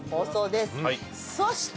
そして！